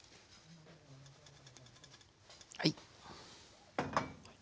はい。